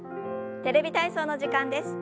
「テレビ体操」の時間です。